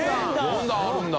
４段あるんだ。